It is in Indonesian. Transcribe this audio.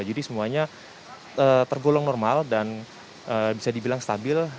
jadi semuanya tergolong normal dan bisa dibilang stabil